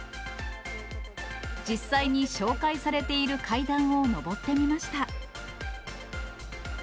実際に紹介されている階段を上ってみました。